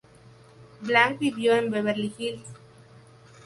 Blank vivió en Berkeley Hills.